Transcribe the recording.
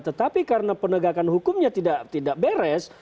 tetapi karena penegakan hukumnya tidak beres